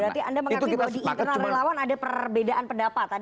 berarti anda mengakui bahwa di internal relawan ada perbedaan pendapat